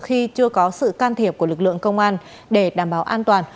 khi chưa có sự can thiệp của lực lượng công an để đảm bảo an toàn